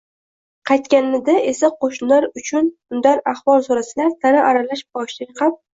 Qaytganida esa qo`shnilar undan ahvol so`rasalar, ta`na aralash bosh chayqab